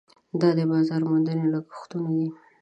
دا د بازار موندنې لګښټونه دي.